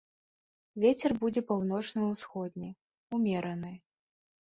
Вецер будзе паўночна-усходні, умераны.